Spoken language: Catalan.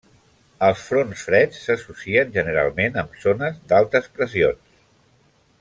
Els fronts freds s'associen generalment amb zones d'altes pressions.